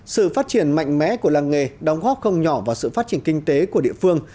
sự phát triển mạnh mẽ của làng nghề đóng góp không nhỏ vào sự phát triển kinh tế của địa phương